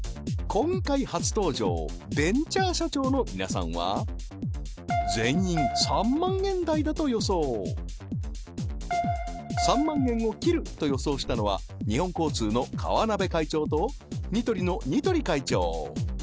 今回初登場ベンチャー社長の皆さんは全員３万円台だと予想３万円を切ると予想したのは日本交通の川鍋会長とニトリの似鳥会長